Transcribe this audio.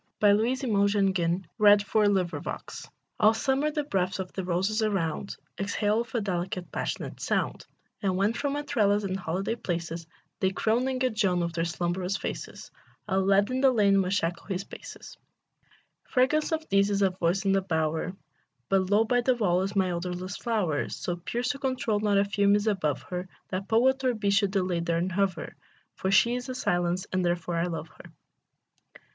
The Japanese Anemone ALL summer the breath of the roses around Exhales with a delicate, passionate sound; And when from a trellis, in holiday places, They croon and cajole, with their slumberous faces, A lad in the lane must slacken his paces. Fragrance of these is a voice in a bower: But low by the wall is my odorless flower, So pure, so controlled, not a fume is above her, That poet or bee should delay there and hover; For she is a silence, and therefore I love her.